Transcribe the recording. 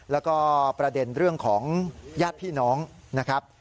แล้วก็ประเด็นเรื่องของญาติพี่น้องนะครับ